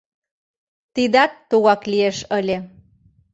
Тидат тугак лиеш ыле.